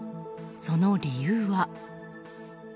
その理由は。